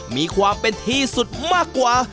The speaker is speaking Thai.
มีความเป็นที่สุดมากกว่า